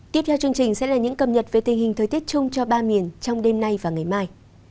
tiếp theo chương trình sẽ là những cập nhật về tình hình thời tiết chung cho ba miền trong đêm nay và ngày mai